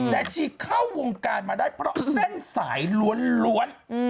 แต่ฉีกเข้าวงการมาได้เพราะเส้นสายล้วน